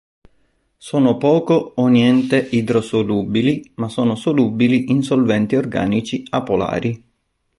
Sono poco o niente idrosolubili ma sono solubili in solventi organici apolari.